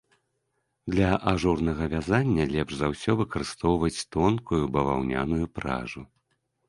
Для ажурнага вязання лепш за ўсе выкарыстоўваць тонкую баваўняную пражу.